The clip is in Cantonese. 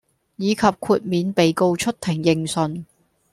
以及豁免被告出庭應訊